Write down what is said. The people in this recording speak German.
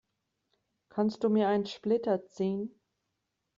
Kannst du mir einen Splitter ziehen?